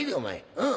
うん。